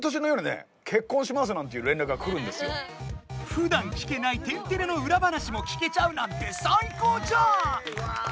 ふだん聞けない「天てれ」の裏話も聞けちゃうなんて最高じゃん！